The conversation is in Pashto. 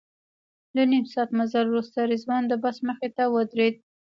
له نیم ساعت مزل وروسته رضوان د بس مخې ته ودرېد.